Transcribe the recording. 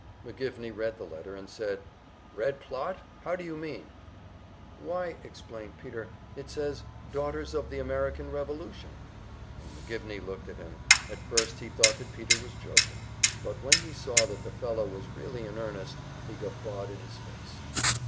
McGivney read the letter, and said, "Red plot? How do you mean?" "Why," explained Peter, "it says `Daughters of the American Revolution.'" And McGivney looked at him; at first he thought that Peter was joking, but when he saw that the fellow was really in earnest, he guffawed in his face.